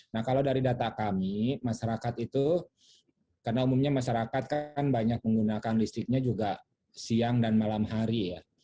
nah kalau dari data kami masyarakat itu karena umumnya masyarakat kan banyak menggunakan listriknya juga siang dan malam hari ya